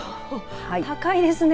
高いですね。